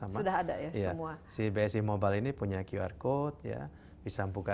present kita di sana